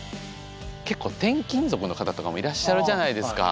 結構転勤族の方とかもいらっしゃるじゃないですか。